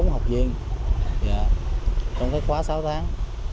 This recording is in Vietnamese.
bốn học viên trong cái khóa sáu tháng